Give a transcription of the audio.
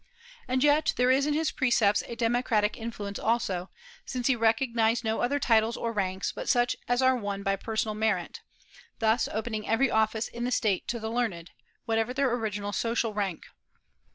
And yet there is in his precepts a democratic influence also, since he recognized no other titles or ranks but such as are won by personal merit, thus opening every office in the State to the learned, whatever their original social rank.